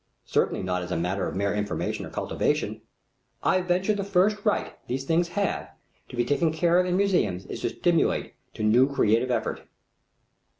Certainly not as a matter of mere information or cultivation. I venture the first right these things have to be taken care of in museums is to stimulate to new creative effort.